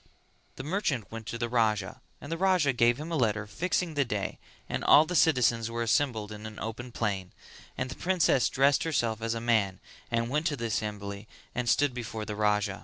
The merchant went to the Raja and the Raja gave him a letter fixing the day and all the citizens were assembled in an open plain; and the princess dressed herself as a man and went to the assembly and stood before the Raja.